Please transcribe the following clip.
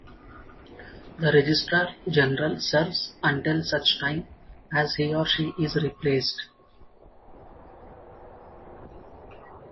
The Registrar General serves until such time as he or she is replaced.